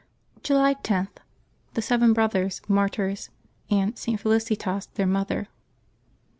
July 10.— THE SEVEN BROTHERS, Martyrs, and ST. FELICITAS, their Mother.